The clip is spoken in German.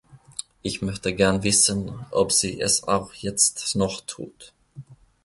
Ich möchte gern wissen, ob sie es auch jetzt noch tut.